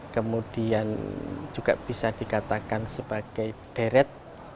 kemudian juga bisa dikatakan sebagai deret